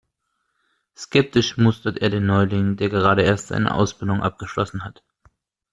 Skeptisch mustert er den Neuling, der gerade erst seine Ausbildung abgeschlossen hat.